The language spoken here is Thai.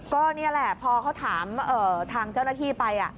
ก็นี่แหละพอเขาถามทางเจ้าหน้าที่ไป